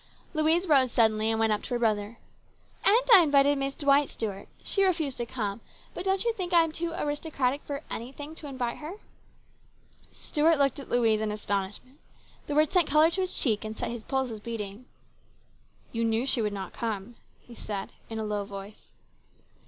Louise rose suddenly and went up to her brother. " And I invited Miss Dwight, Stuart. She refused to come ; but don't you think I am too aristocratic for anything to invite her ?" Stuart looked at Louise in astonishment The words sent the colour to his cheek and set his pulses beating. PLANS GOOD AND BAD. 185 " You knew she would not come," he said in a low voice.